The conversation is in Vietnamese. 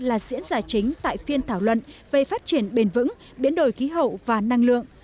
là diễn giải chính tại phiên thảo luận về phát triển bền vững biến đổi khí hậu và năng lượng